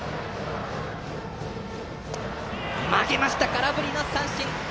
空振り三振！